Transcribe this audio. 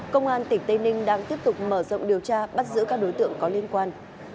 công an tỉnh tây ninh đang tiếp tục mở rộng điều tra bắt giữ các đối tượng có liên quan